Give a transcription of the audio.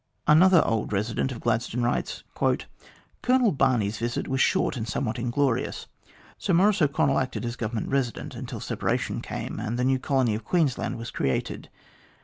Another old resident of Gladstone writes : "Colonel Barney's visit was short and somewhat inglorious. Sir Maurice O'Connell acted as Government Resident until separation came, and the new colony of Queensland was created.